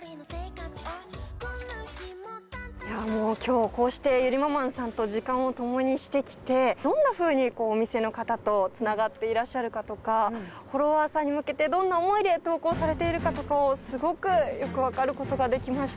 いやもう今日こうしてゆりママんさんと時間を共にしてきてどんなふうにお店の方と繋がっていらっしゃるかとかフォロワーさんに向けてどんな思いで投稿されているかとかをすごくよくわかる事ができました。